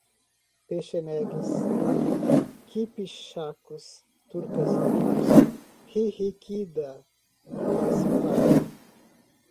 Pechenegues, quipchacos, turcas, turcos, ruríquida, Principado